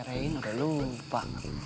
terein udah lupa